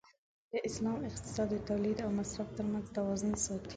د اسلام اقتصاد د تولید او مصرف تر منځ توازن ساتي.